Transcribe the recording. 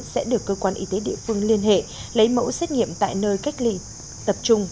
sẽ được cơ quan y tế địa phương liên hệ lấy mẫu xét nghiệm tại nơi cách ly tập trung